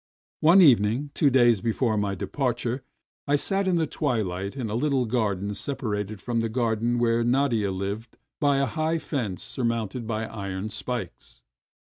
One evening, two days before my departure, I sat in the twiUght in a httle garden separated from the garden where Nadia Uved by a high fence surmounted by iron spikes.